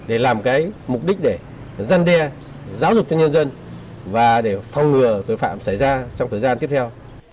để làm cái mục đích để gian đe giáo dục cho nhân dân và để phong ngừa tội phạm xảy ra trong thời gian tiếp theo